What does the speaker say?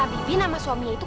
kamu nyadar akan kubah kerisimu